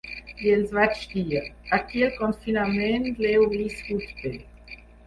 I els vaig dir: ‘Aquí el confinament l’heu viscut bé’.